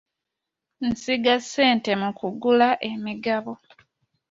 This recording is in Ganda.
Nsiga ssente mu kugula emigabo.